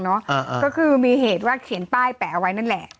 เนอะอ่าอ่าก็คือมีเหตุว่าเขียนป้ายแปะไว้นั่นแหละ